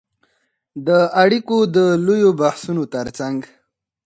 د اړیکو د لویو بحثونو ترڅنګ